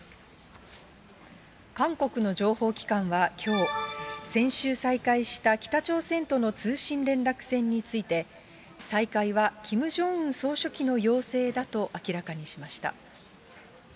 韓国の情報機関はきょう、先週再開した北朝鮮との通信連絡船について、再開はキム・ジョンウン総書記の要請だと明らかにしました。